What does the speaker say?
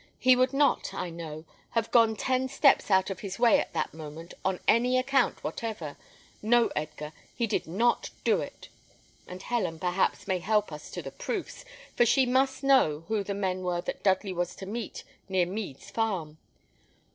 He would not, I know, have gone ten steps out of his way at that moment on any account whatever. No, Edgar, he did not do it; and Helen, perhaps, may help us to the proofs, for she must know who the men were that Dudley was to meet near Mead's farm.